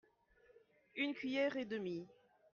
Une cuillerée et demie.